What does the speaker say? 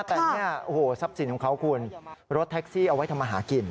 แต่เนี่ยโอ้โหทรัพย์สินของเขาคุณรถแท็กซี่เอาไว้ทำมาหากิน